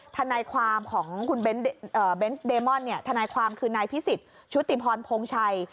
ทนายความของคุณเบนส์เดมอนทนายความคือนายพิสิทธิ์ชุติพรพงชัย